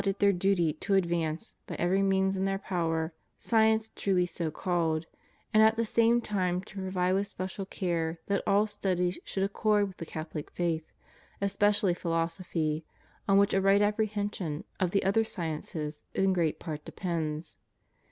35 it their duty to advance, by every means in their power, Bcience truly so called, and at the same time to provide with special care that all studies should accord with the Catholic faith, especially philosophy, on which a right apprehension of the other sciences in great part, depends.